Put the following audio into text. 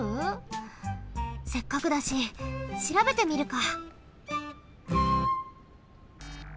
せっかくだししらべてみるか。